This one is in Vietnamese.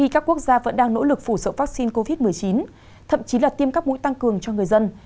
các quốc gia vẫn đang nỗ lực phủ sợ vaccine covid một mươi chín thậm chí là tiêm các mũi tăng cường cho người dân